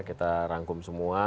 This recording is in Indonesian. kita rangkum semua